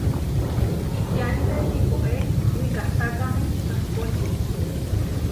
iʼyánine tihoé wikahtákame pahkóči.